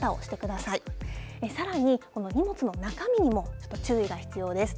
さらに、この荷物の中身にも、ちょっと注意が必要です。